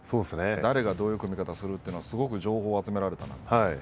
誰がどういう組み方をするというのすごく情報を集められた。